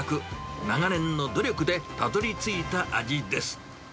長年の努力でたどりついた味です。